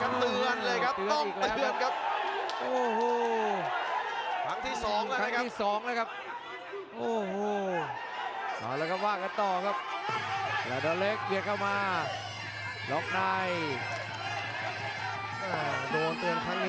กับผู้เอกนำรายการเป็นการป้องกันแชมป์ของพาราดอลเล็กอสนิทพันธ์